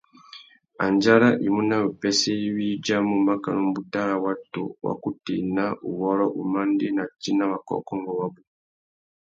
Andjara i mú nà wipêssê iwí i udjamú mákànà râ watu wa kutu ena, uwôrrô, umandēna tsi na wakōkôngô wabú.